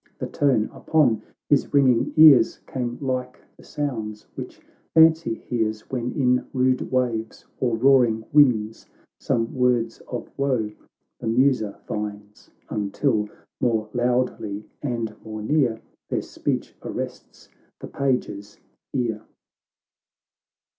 The tone upon his ringing ears Came like the sounds which fancy hears, "When in rude waves or roaring winds Some words of woe the mtiser finds, Until more loudly and more near, Their speech arrests the page's ear.